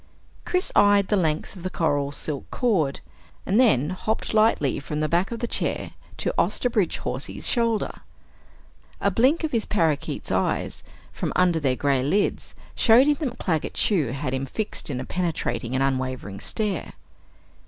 Chris eyed the length of the coral silk cord, and then hopped lightly from the back of the chair to Osterbridge Hawsey's shoulder. A blink of his parakeet's eyes, from under their gray lids, showed him that Claggett Chew had him fixed in a penetrating and unwavering stare.